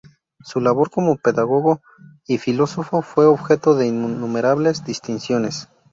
Su labor como pedagogo y filósofo fue objeto de innumerables distinciones.